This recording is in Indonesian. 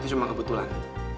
itu cuma kebetulan